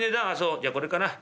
じゃあこれかな。